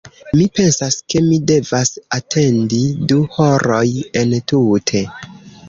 Mi pensas ke mi devas atendi du horoj entute